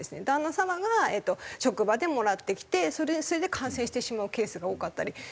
旦那様が職場でもらってきてそれで感染してしまうケースが多かったり。